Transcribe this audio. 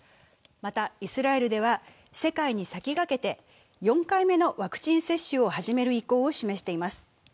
また、イスラエルでは世界に先駆けて４回目のワクチン接種を始める意向を示しています。